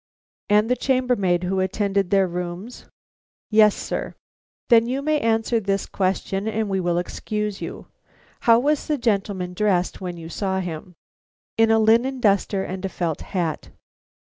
"And the chambermaid who attended to their rooms?" "Yes, sir." "Then you may answer this question, and we will excuse you. How was the gentleman dressed when you saw him?" "In a linen duster and a felt hat."